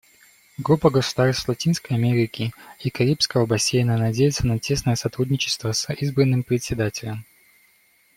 Группа государств Латинской Америки и Карибского бассейна надеется на тесное сотрудничество с избранным Председателем.